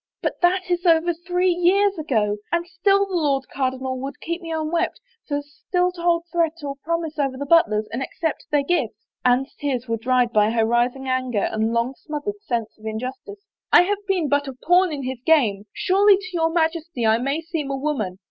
But that is over three years ago — and still the Lord Cardinal would keep me unwed so as still to hold threat or promise over the Butlers and accept their gifts." Anne's tears were dried by her rising anger and long smothered sense of injustice. " I have been but a pawn in his game. Surely to your Majesty I may seem a woman.